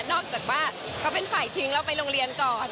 จากว่าเขาเป็นฝ่ายทิ้งเราไปโรงเรียนก่อน